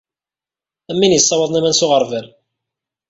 Am win yessawaḍen aman s uɣerbal.